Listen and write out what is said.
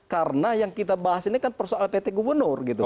karena yang kita bahas ini kan persoal pt gubernur gitu